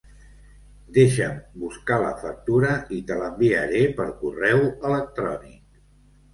Deixa'm buscar la factura i te l'enviaré per correu electrònic.